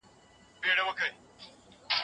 چي د چا په غاړه طوق د غلامۍ سي